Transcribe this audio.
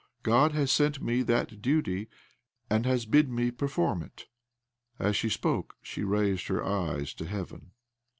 God has sent me that duty, and has bid me perform it." As she spoke she raised her eyes to heaven.